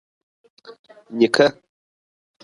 نيکه